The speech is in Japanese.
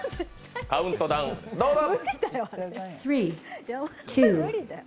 カウントダウンどうぞ。